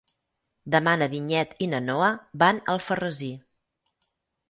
Demà na Vinyet i na Noa van a Alfarrasí.